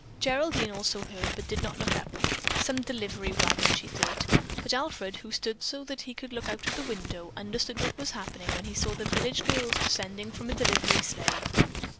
Geraldine also heard, but did not look up. Some delivery wagon, she thought, but Alfred, who stood so that he could look out of the window, understood what was happening when he saw the village girls descending from a delivery sleigh.